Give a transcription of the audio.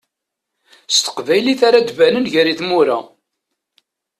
S teqbaylit ara d-banem gar tmura.